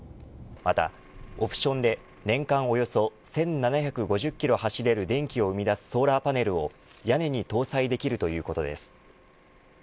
またオプションで年間およそ１７５０キロ走れる電気を生み出すソーラーパネルを屋根に搭載できるということです。